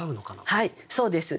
はいそうです。